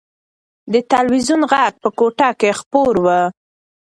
د تلویزون غږ په کوټه کې خپور و.